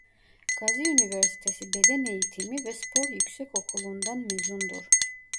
Gazi Üniversitesi Beden Eğitimi ve Spor Yüksekokulu'ndan mezundur.